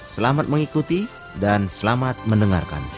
selamat mengikuti dan selamat mendengarkan